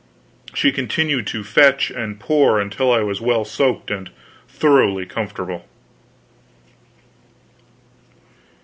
She continued to fetch and pour until I was well soaked and thoroughly comfortable.